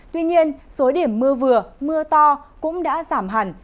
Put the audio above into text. tuy nhiên số điểm mưa vừa mưa to cũng đã giảm hẳn